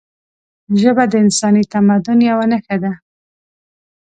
ژبه د انساني تمدن یوه نښه ده